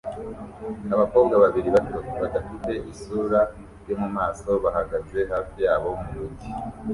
Abakobwa babiri bato badafite isura yo mumaso bahagaze hafi yabo mumujyi